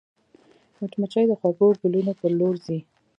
مچمچۍ د خوږو ګلونو پر لور ځي